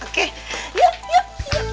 oke yuk yuk yuk